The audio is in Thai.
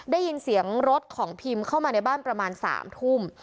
ได้ยินเสียงรถของพิมเข้ามาในบ้านประมาณ๓ทุ่ม